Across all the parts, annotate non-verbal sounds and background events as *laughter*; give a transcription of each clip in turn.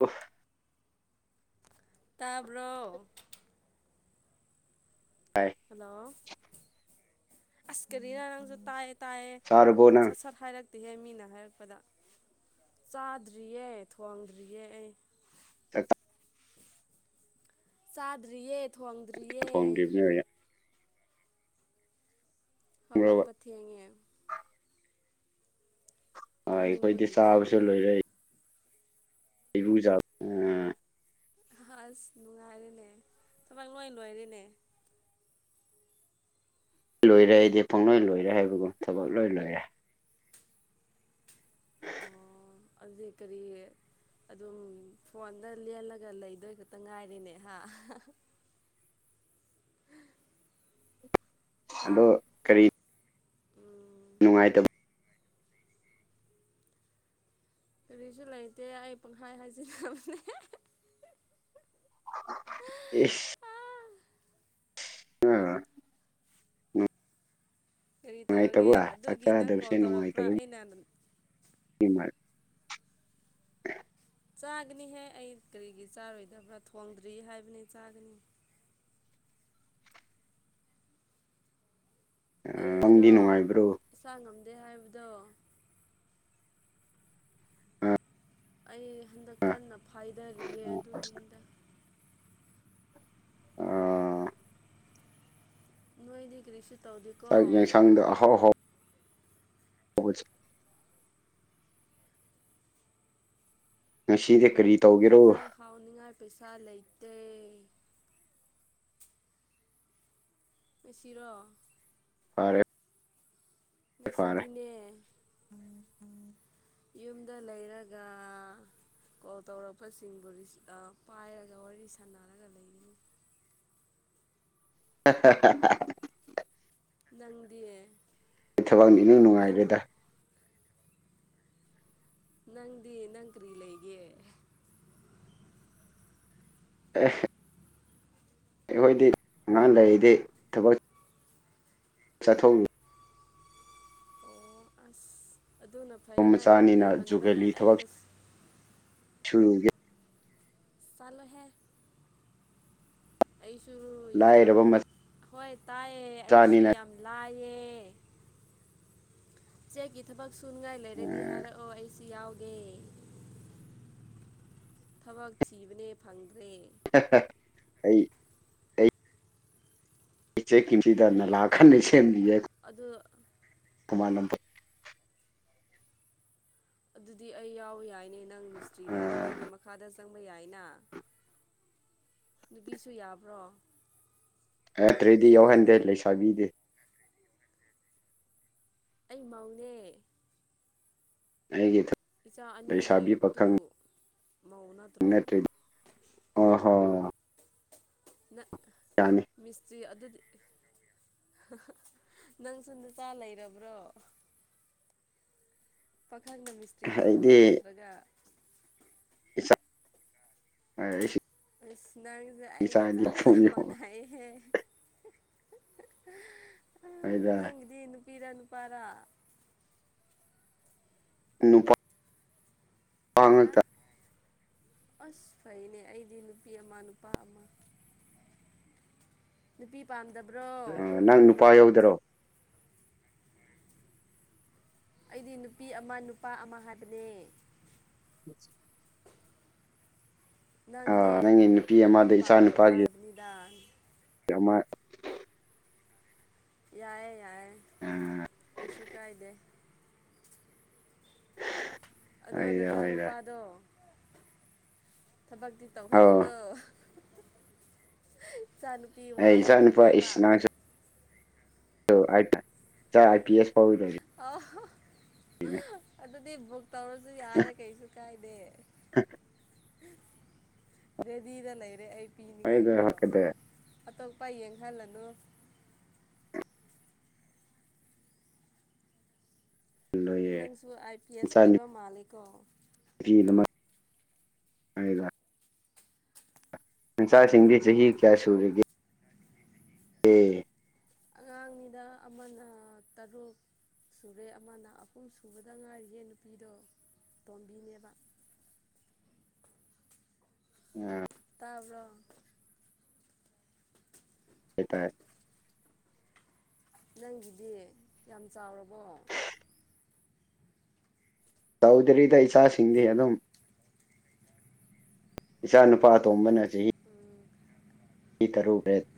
of ꯇꯥꯕ꯭ꯔꯣ ꯍꯥꯏ hello ꯑꯁ ꯀꯔꯤꯔꯥ ꯅꯪꯁꯨ ꯇꯥꯌꯦ ꯇꯥꯏꯌꯦ ꯆꯥꯔꯕꯣ ꯅꯪ ꯈꯠ ꯁꯠ ꯍꯥꯏꯔꯛꯇꯤꯍꯦ ꯃꯤꯅ ꯍꯥꯏꯔꯛꯄꯗ ꯆꯥꯗ꯭ꯔꯤꯌꯦ ꯊꯣꯡꯗ꯭ꯔꯤꯌꯦ ꯑꯩ ꯆꯠ ꯆꯥꯗ꯭ꯔꯤꯌꯦ ꯊꯣꯡꯗ꯭ꯔꯤꯌꯦ ꯊꯣꯡꯗ꯭ꯔꯤꯕꯅꯦ ꯈꯪꯕ꯭ꯔꯕ ꯍꯧꯒꯠꯄ ꯊꯦꯡꯉꯦ ꯑꯩꯈꯣꯏꯗꯤ ꯇꯨꯝꯅꯤꯡꯕꯒꯤ ꯆꯥꯕꯁꯨ ꯇꯨꯝꯃꯨꯕ ꯂꯣꯏꯔꯛꯏ ꯑꯩꯕꯨꯖꯥ ꯑꯁ ꯅꯨꯡꯉꯥꯏꯔꯦꯅꯦ ꯊꯕꯛ ꯂꯣꯏ ꯂꯣꯏꯔꯦꯅꯦ ꯂꯣꯏꯔꯦ ꯑꯩꯗꯤ ꯄꯨꯡꯂꯣꯏ ꯂꯣꯏꯔꯦ ꯍꯥꯏꯕꯒꯨꯝ ꯊꯕꯛ ꯂꯣꯏ ꯂꯣꯏꯔꯦ ꯑꯣ ꯑꯗꯨ ꯀꯔꯤ ꯑꯗꯨꯝ ꯐꯣꯟꯗ ꯂꯦꯜꯂꯒ ꯂꯩꯗꯣꯏ ꯈꯛꯇ ꯉꯥꯏꯔꯤꯅꯦ ꯍꯝ ꯇꯞ ꯑꯗꯣ ꯀꯔꯤ ꯎꯝ ꯅꯨꯡꯉꯥꯏꯇꯕ ꯀꯔꯤꯁꯨ ꯂꯩꯇꯦ ꯑꯩ ꯄꯪꯈꯥꯏ ꯍꯥꯏꯖꯤꯕꯅꯦ ꯏꯁ ꯑꯥ ꯎ ꯀꯔꯤ ꯅꯨꯡꯉꯥꯏ ꯇꯧꯔꯒꯦ ꯇꯕ ꯑꯗꯨꯒꯤ ꯅꯪ ꯆꯆꯥꯔꯗꯧꯁꯦ ꯀꯣꯜ ꯅꯨꯡꯉꯥꯏ ꯇꯧꯔꯛꯄ꯭ꯔꯥ ꯇꯕ ꯑꯩꯅ ꯍ ꯃꯥ ꯆꯥꯒꯅꯤꯍꯦ ꯑꯩ ꯀꯔꯤꯒꯤ ꯆꯥꯔꯣꯏꯗꯕ꯭ꯔꯥ ꯊꯣꯡꯗ꯭ꯔꯤ ꯍꯥꯏꯕꯅꯤ ꯆꯥꯒꯅꯤ ꯅꯪꯗꯤ ꯑꯩꯔꯣ ꯅꯨꯡꯉꯥꯏꯕ꯭ꯔꯣ ꯏꯁꯥ ꯉꯝꯗꯦ ꯍꯥꯏꯕꯗꯣ ꯑꯩ ꯍꯟꯗꯛ ꯀꯟꯅ ꯐꯥꯏꯗꯔꯤꯌꯦ ꯑꯗꯨꯒꯤꯅꯤꯗ ꯑ ꯅꯣꯏꯅꯤ ꯀ꯭ꯔꯤꯁ ꯆꯥꯛ ꯌꯦꯡꯁꯪꯗꯣ ꯑꯍꯥꯎ ꯑꯍꯥꯎ ꯍꯧꯁ ꯅꯁꯤꯗ ꯀꯔꯤ ꯇꯧꯒꯦꯔꯣ ꯏꯟꯁꯥꯡ ꯍꯥꯎꯅꯤꯉꯥꯏ ꯄꯩꯁꯥ ꯂꯩꯇꯦ ꯁꯤꯔꯣ ꯐꯔ ꯃꯁꯤꯁꯤꯗꯤꯅꯦ ꯎ ꯎ ꯌꯨꯝꯗ ꯂꯩꯔꯒ ꯀꯣꯜ ꯇꯧꯔꯛꯄꯁꯤꯡꯕꯨ ꯄꯥꯏꯔꯒ ꯋꯥꯔꯤ ꯁꯥꯟꯅꯔꯒ ꯂꯩꯒꯅꯤ ꯍ ꯅꯪꯗꯤ ꯑꯩ ꯊꯕꯛꯅꯤ ꯅꯪ ꯅꯨꯡꯉꯥꯏꯔꯦꯗ ꯅꯪꯗꯤ ꯅꯪ ꯀꯔꯤ ꯂꯩꯒꯦ ꯑꯦ ꯑꯩꯈꯣꯏꯗꯤ ꯑꯉꯥꯡ ꯂꯩꯔꯤꯗꯤ ꯊꯕꯛ ꯆꯠꯊꯣꯡꯅꯤ ꯑꯣ ꯑꯁ ꯑꯗꯨꯅ ꯐꯩꯗ ꯌꯨꯝ ꯃꯆꯥꯅꯤꯅ ꯂꯩꯃꯟꯕꯗ ꯑꯩꯒ ꯁꯨꯔꯨꯒ ꯆꯂꯍꯦ ꯑꯩꯁꯨ ꯂꯥꯏꯔꯕ ꯍꯣꯏ ꯇꯥꯏꯌꯦ ꯑꯩꯁꯨ ꯃꯆꯥꯅꯤꯅ ꯌꯥꯝ ꯂꯑꯌꯦ ꯊꯕꯛ ꯁꯨꯅꯤꯡꯉꯥꯏ ꯂꯩꯔꯗꯤ ꯍꯥꯏꯔꯛꯑꯣ ꯑꯩꯁꯨ ꯌꯥꯎꯒꯦ ꯊꯕꯛ ꯊꯤꯕꯅꯦ ꯐꯪꯗ꯭ꯔꯦ ꯑꯩ ꯏꯆꯦ ꯀꯝꯁꯤꯗ ꯅꯂꯥꯈꯟꯅ ꯁꯦꯝꯕꯤꯦ ꯑꯗꯨꯗ ꯊꯨꯃꯥꯏꯅꯗ ꯑꯗꯨꯗꯤ ꯑꯩ ꯌꯥꯎ ꯌꯥꯏꯅꯦ ꯅꯪ ꯃꯤꯁꯇ꯭ꯔꯤ ꯂꯩꯔꯗꯤ ꯅꯪꯒꯤ ꯃꯈꯥꯗ ꯆꯪꯕ ꯌꯥꯏꯅ ꯅꯨꯄꯤꯁꯨ ꯌꯥꯕ꯭ꯔꯣ ꯑꯠꯇ꯭ꯔꯦꯗꯤ ꯌꯥꯎꯍꯟꯗꯦ ꯂꯩꯁꯥꯕꯤꯗꯦ ꯑꯩ ꯃꯧꯅꯦ ꯍꯥꯏꯒꯤꯦ ꯏꯆꯥ ꯑꯅꯤ ꯂꯩꯔꯕꯗꯨꯕꯨ ꯃꯧꯅ ꯅꯠꯇ ꯑꯣ ꯍꯣ ꯅ ꯃꯤꯁꯇ꯭ꯔꯤ ꯑꯗꯨꯗꯤ ꯅꯪꯁꯨ ꯅꯨꯆꯥ ꯂꯩꯔꯕ꯭ꯔꯣ ꯄꯥꯈꯪꯗ ꯃꯤꯁꯇ꯭ꯔꯤ ꯇꯎꯕ꯭ꯔꯣ ꯑꯩꯗꯤ ꯅꯠꯇ꯭ꯔꯒ *inaudible* ꯑꯁ ꯅꯪꯁꯦ ꯑꯩꯒ ꯏꯆꯥꯗꯤ ꯆꯞ ꯆꯞ ꯃꯥꯟꯅꯩꯍꯦ ꯑꯩꯗ ꯅꯪꯗꯤ ꯅꯨ ꯄꯤꯔ ꯅꯨ ꯄꯔꯥ ꯅꯨꯄꯥ ꯑꯥ ꯉꯥꯛꯇ ꯑꯁ ꯐꯩꯅꯦ ꯑꯩꯗꯤ ꯅꯨꯄꯤ ꯑꯃ ꯅꯨꯄꯥ ꯑꯃ *inaudible* ꯅꯨꯄꯤ ꯄꯥꯝꯗꯕ꯭ꯔꯣ ꯑ ꯅꯪ ꯅꯨꯄꯥ ꯌꯧꯗꯔꯣ ꯑꯩꯗꯤ ꯅꯨꯄꯤ ꯑꯃ ꯅꯨꯄꯥ ꯑꯃ ꯍꯥꯏꯕꯅꯦ ꯎ ꯅꯪꯅꯦ ꯅꯪꯒꯤ ꯅꯨꯄꯤ ꯑꯃꯗ ꯄꯥꯝꯗꯕ꯭ꯔꯥ ꯍꯥꯏꯕꯅꯤꯗ ꯃꯥꯏ *inaudible* ꯌꯥꯏꯑꯦ ꯌꯥꯏꯑꯦ ꯀꯩꯁꯨ ꯀꯥꯏꯗꯦ ꯑꯗꯣ ꯍꯣꯏꯗ ꯍꯣꯏꯗ ꯅꯆꯥꯅꯨꯄꯥꯗꯣ ꯊꯕꯛꯇꯤ ꯑꯧ ꯇꯧꯍꯜꯂꯨꯀꯣ ꯆꯥꯅꯨ ꯇꯤ ꯑꯩ ꯏꯆꯥ ꯅꯨꯄꯥ ꯋꯥꯍꯟꯅꯤꯡꯗꯦꯕ ꯆ ꯑꯥꯏ ꯄꯤ ꯑꯦꯁ ꯄꯥꯎꯗꯨꯢꯅꯦ ꯑꯥꯎ ꯑꯗꯨꯗꯤ ꯕꯨꯛ ꯇꯧꯔꯁꯨ ꯌꯥꯔꯦ ꯀꯩꯁꯨ ꯀꯥꯏꯗꯦ ꯔꯦꯗꯤꯗ ꯂꯩꯔꯦ ꯑꯩ ꯍꯣꯏꯗ ꯄꯤꯅꯤꯡꯉꯥꯏꯀꯣ ꯍꯣꯠꯀꯗ ꯑꯇꯣꯞꯄ ꯌꯦꯡꯍꯜꯂꯅꯨ ꯂꯣꯏꯌꯦ ꯅꯪꯁꯨ ꯑꯥꯏ ꯄꯤ ꯑꯦꯁ ꯑꯣꯏꯕ ꯃꯥꯜꯂꯦ ꯀꯣ ꯅ ꯍꯥꯏ *inaudible* ꯅꯆꯥꯁꯤꯡꯗꯤ ꯆꯍꯤ ꯎꯝ ꯀꯌꯥ ꯁꯨꯔꯒꯦ ꯎꯝ ꯑꯉꯥꯡꯅꯤꯗ ꯑꯃꯅ ꯇꯔꯨꯛ ꯁꯨꯔꯦ ꯑꯃꯅ ꯑꯍꯨꯝ ꯁꯨꯕꯗ ꯉꯥꯏꯔꯤꯌꯦ ꯅꯨꯄꯤꯗꯣ ꯇꯣꯝꯕꯤꯅꯦꯕ ꯎꯝ ꯇꯥꯕ꯭ꯔꯣ ꯄ ꯇꯔ *inaudible* ꯅꯪꯒꯤꯗꯤ ꯌꯥꯝ ꯆꯥꯎꯔꯕꯣ ꯆꯧꯗꯔꯤꯗ ꯏꯆꯥꯁꯤꯡꯗꯤ ꯑꯗꯨꯝ ꯏꯆꯥ ꯅꯨꯄꯥ ꯑꯇꯣꯝꯕꯅ ꯆꯍꯤ ꯎꯝ *inaudible* ꯀ ꯇꯔꯨꯕ꯭ꯔꯦꯣ *inaudible*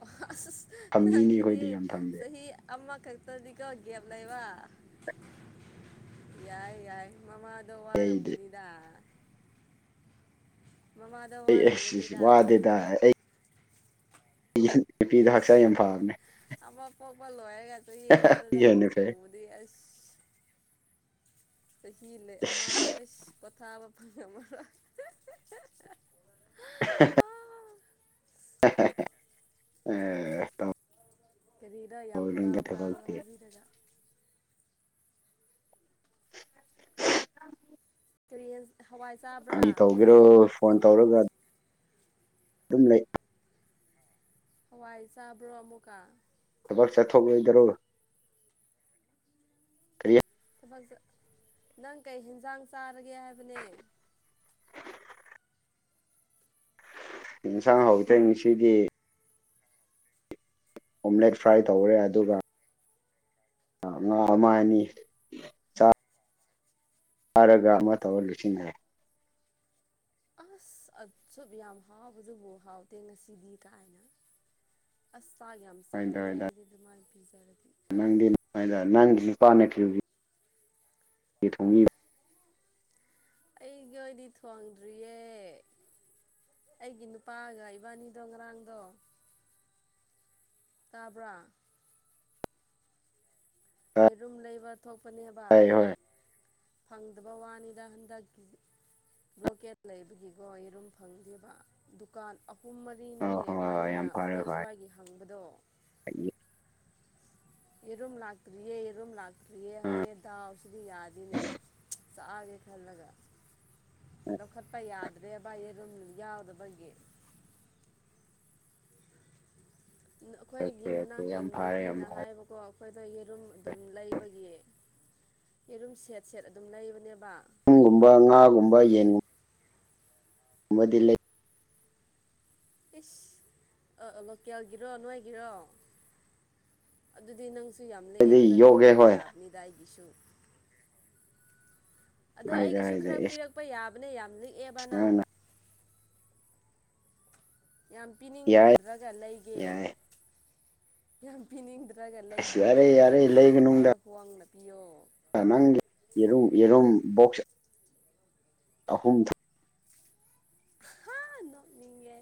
ꯑ ꯊꯝꯕꯤꯅꯤ ꯅꯪꯗꯤ ꯑꯩꯈꯣꯏꯗꯤ ꯌꯥꯝ ꯊꯝꯗꯦ ꯆꯍꯤ ꯑꯃ ꯀꯔꯤ *inaudible* ꯇꯗꯤꯒꯒꯦꯕꯂ ꯏ ꯋꯥ ꯌꯥꯏ ꯌꯥꯏ ꯃꯃꯥꯗꯣ ꯑꯩꯗꯤ ꯋꯥꯔꯝꯒꯅꯤꯗ ꯃꯃꯥꯗ ꯑꯩ ꯑꯁ ꯋꯥꯔꯝꯒꯅꯤꯗꯥ ꯋꯥꯗꯦꯗ ꯅꯨꯄꯤꯗ ꯏꯁ ꯍꯛꯆꯥꯡ ꯌꯥꯝ ꯐꯥꯕꯅꯦ ꯑꯃ ꯂꯣꯏꯔꯒ ꯑꯃ ꯍꯦꯟꯅ ꯑꯃꯨꯛ ꯐꯩ ꯄꯨꯕꯗꯤ ꯆꯍꯤ ꯑꯃꯗꯩ ꯑꯃꯥ ꯑꯩꯁ ꯄꯣꯊꯥꯕ ꯐꯪꯉꯝꯃꯔꯣꯢ *inaudible* ꯀꯔꯤꯔ ꯌꯥꯝ ꯇꯧꯅꯨꯡꯗ ꯍꯔꯥꯎꯕꯔꯥ ꯑꯗꯨ ꯊꯕꯛꯇꯤ ꯍꯥꯏꯕꯤꯔꯒ ꯀꯔꯤ ꯌꯦꯟ ꯍꯋꯥꯏ ꯆꯥꯕ꯭ꯔꯥ ꯌꯦꯟꯒꯦꯔꯣ ꯐꯣꯜ ꯇꯧꯔꯒ ꯑꯗꯨꯝ ꯂꯩꯩ ꯍꯋꯥꯏ ꯆꯥꯕ꯭ꯔꯣ ꯑꯃꯨꯛꯀ ꯊꯕꯛ ꯆꯠꯊꯣꯛꯑꯣꯏꯗꯔꯣ ꯀ꯭ꯔꯤꯌꯥ *inaudible* ꯅꯪ ꯀꯩ ꯍꯦꯟꯖꯥꯡ ꯆꯥꯔꯒꯦ ꯍꯥꯏꯕꯅꯦ ꯏꯟꯁꯥꯡ ꯍꯧꯇꯦ ꯉꯁꯤꯗꯤ ꯑꯣꯝꯂꯦꯠ ꯐ꯭ꯔꯥꯏ ꯇꯧꯔꯦ ꯑꯗꯨꯒ ꯑ ꯃꯥ ꯃꯥꯅꯤ *inaudible* ꯐꯥꯔꯒ ꯑꯃ ꯇꯧꯔ ꯂꯣꯢꯁꯤꯟꯒꯔꯦ ꯑꯁ ꯑꯁꯨ ꯌꯥꯝ ꯍꯥꯎꯕꯁꯤꯕꯨ ꯍꯥꯎꯇꯦ ꯉꯁꯤꯗꯤ ꯀꯥꯏꯅ ꯑꯁ ꯆꯥꯛ ꯌꯥꯝ ꯆꯪꯉꯅꯤ ꯑꯩꯗꯤ ꯑꯗꯨꯃꯥꯏꯅ ꯄꯤꯖꯔꯗꯤ ꯅꯪꯗꯤꯥꯏꯗ ꯅꯪꯗꯤ ꯅꯨꯄꯥ ꯅ ꯀꯌ *inaudible* ꯃꯤ ꯊꯣꯡꯃꯤ ꯑꯩꯒꯤ ꯑꯣꯏꯗꯤ ꯊꯣꯡꯗ꯭ꯔꯤꯌꯦ ꯑꯩꯒꯤ ꯅꯨꯄꯥꯒ ꯏꯕꯥꯅꯤꯗꯣ ꯉꯔꯥꯡꯗꯣ ꯇꯥꯕ꯭ꯔꯥ ꯌꯦꯔꯨꯝ ꯂꯩꯕ ꯊꯣꯛꯄꯅꯦꯕ ꯍꯣꯏ ꯍꯣꯏ ꯐꯪꯗꯕ ꯋꯥꯅꯤꯗ ꯍꯟꯗꯛꯀꯤ ꯕ꯭ꯂꯣꯀꯦꯠ ꯂꯩꯕꯒꯤꯀꯣ ꯌꯦꯔꯨꯝ ꯐꯪꯗꯦꯕ ꯗꯨꯀꯥꯟ ꯑꯍꯨꯝ ꯃꯔꯤ ꯑꯣ ꯔꯤꯅꯤꯅꯦ ꯍꯣꯏ ꯏꯕꯥꯅꯤꯅ ꯌꯥꯝ ꯐꯔꯦ ꯑꯩꯈꯣꯏ ꯍꯣꯏ ꯁ꯭ꯋꯥꯏꯒꯤ ꯍꯪꯕꯗꯣ ꯌꯦꯔꯨꯝ ꯂꯥꯛꯇ꯭ꯔꯤꯌꯦ ꯌꯦꯔꯨꯝ ꯂ ꯇ꯭ꯔꯤꯌꯦ ꯑꯥ ꯍꯥꯏꯌꯦ ꯗꯥꯎ ꯁꯤꯗꯤ ꯌꯥꯗꯦꯅꯦ ꯆꯥꯒꯦ ꯈꯜꯂꯒ ꯂꯧꯈꯠꯄ ꯌꯥꯗ꯭ꯔꯦ ꯕꯥꯏꯌꯦꯔꯨꯝ ꯌꯥꯎꯗꯕꯒꯤ ꯑꯩꯈꯣꯏꯒꯤ ꯑꯣꯀꯦ ꯑꯣꯀꯦ ꯃꯅꯥꯛꯀꯤ ꯌꯥꯝ ꯐꯔꯦ ꯌꯥꯝ ꯅꯨꯄꯤꯅ ꯐꯔꯦ ꯍꯥꯏꯕꯀꯣ ꯑꯩꯈꯣꯏꯗ ꯌꯦꯔꯨꯝ ꯑꯗꯨꯝ ꯂꯩꯕꯒꯤ ꯌꯦꯔꯨꯝ ꯁꯦꯠ ꯁꯦꯠ ꯑꯗꯨꯝ ꯂꯩꯕꯅꯦꯕ ꯄꯨꯡꯒꯨꯝꯕ ꯉꯥꯒꯨꯝꯕ ꯑꯗꯨꯒꯤ ꯌꯦꯟꯒꯨꯝꯕ ꯗꯤ ꯂꯩ ꯏꯁ ꯂꯣꯀꯦꯜꯒꯤꯔꯣ ꯅꯣꯏꯒꯤꯔꯣ ꯑꯗꯨꯗꯤ ꯅꯪ ꯁꯨ ꯌꯥꯝ ꯂꯦꯛꯑꯦ ꯂꯩꯗꯤ ꯈꯔ ꯌꯣꯛꯒꯦ ꯄꯤꯔꯛꯄ ꯍꯣꯏ ꯌꯥꯕ ꯗ ꯑꯩꯒꯤꯁꯨ ꯑꯗꯣ ꯍꯥꯏꯗ ꯑꯩꯒꯤꯁꯨ ꯍꯥꯏꯗ ꯈꯔ ꯑꯦꯁ ꯄꯤꯔꯛ ꯄ ꯌꯥꯕꯅ ꯌꯥꯝ ꯂꯤꯛꯑꯦꯕ ꯅꯪ ꯅꯪꯅ ꯌꯥꯝ ꯌꯥꯏ ꯄꯤꯅꯤꯡꯗ꯭ꯔꯒ ꯂꯩꯒꯦ ꯌꯥꯏ ꯌꯥꯝ ꯄꯤꯅꯤꯡꯗ꯭ꯔꯒ ꯑꯁ ꯌꯥꯔꯦ ꯂꯩꯕꯤꯒꯦ ꯌꯥꯔꯦ ꯈꯔ ꯂꯩꯒꯅꯨꯗ ꯋꯥꯋꯥꯡꯅ ꯄꯤꯌꯣ ꯅꯪꯒꯤ ꯌꯦꯔꯨꯝ ꯌꯦꯔꯨꯝ ꯕꯣꯛꯁ ꯑꯍꯨꯝ ꯊ ꯍꯥ ꯅꯣꯛꯅꯤꯡꯉꯦ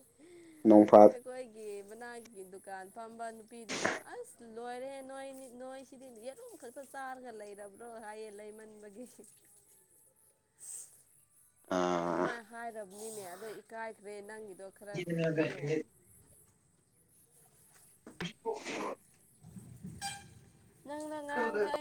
ꯅꯣꯡꯐꯥ ꯑꯩꯈꯣꯏ ꯒꯤ ꯃꯅꯥꯒꯤ ꯗꯨꯀꯥꯟ ꯐꯝꯕ ꯅꯨꯄꯤꯗꯨꯅ ꯑꯁ ꯂꯣꯏꯔꯦ ꯅꯣꯏ ꯅꯣꯏ ꯁꯤꯗꯤ ꯌꯦꯂꯨꯝ ꯈꯛꯇ ꯆꯥꯔꯒ ꯂꯩꯔꯕ꯭ꯔꯣ ꯍꯥꯏꯌꯦ ꯂꯩꯃꯟꯕꯒꯤ ꯑꯥ ꯃꯤꯅꯦ ꯑꯗꯣ ꯏꯀꯥꯏꯈ꯭ꯔꯦ ꯅꯪꯒꯤꯗꯣ ꯈꯔ ꯄꯤꯌꯣ ꯅꯪꯅ ꯉꯔꯥꯡꯗꯣ ꯑꯩꯅ